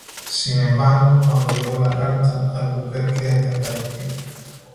Sin embargo, cuando llegó la carta, Albuquerque había fallecido.